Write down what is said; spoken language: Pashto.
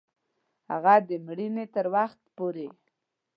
هغه د مړینې تر وخت پوري